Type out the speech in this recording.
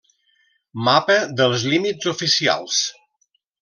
Mapa dels límits oficials.